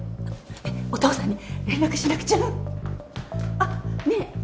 お父さんに連絡しなくちゃあっねえ